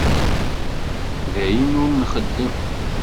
D ayen ur nxeddem.